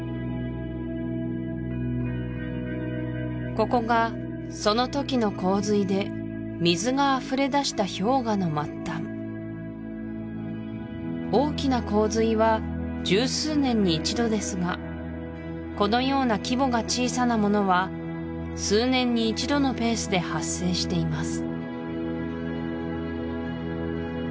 ここがその時の洪水で水があふれだした氷河の末端大きな洪水は十数年に一度ですがこのような規模が小さなものは数年に一度のペースで発生しています